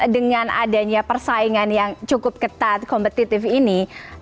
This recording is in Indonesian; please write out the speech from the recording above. dengan adanya persaingan yang cukup ketat kompetitif ini